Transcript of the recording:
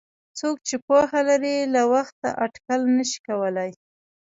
څوک چې پوهه لري له وخته اټکل نشي کولای.